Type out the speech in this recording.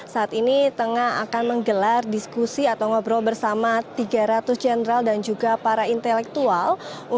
saat ini tengah akan menggelar diskusi atau ngobrol bersama tiga ratus jenderal dan juga para intelektual